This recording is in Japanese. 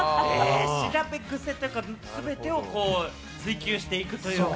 調べぐせというか、全てを追求していくというか。